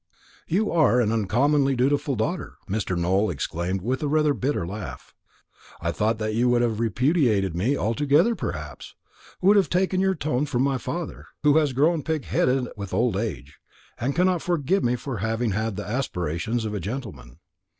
"You are an uncommonly dutiful daughter," Mr. Nowell exclaimed with rather a bitter laugh; "I thought that you would have repudiated me altogether perhaps; would have taken your tone from my father, who has grown pig headed with old age, and cannot forgive me for having had the aspirations of a gentleman."